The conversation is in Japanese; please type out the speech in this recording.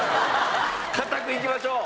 堅くいきましょう！